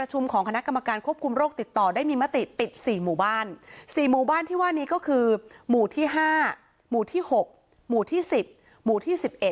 หมู่ที่๕หมู่ที่๖หมู่ที่๑๐หมู่ที่๑๑